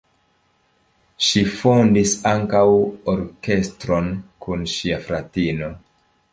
Ŝi fondis ankaŭ orkestron kun ŝia fratino.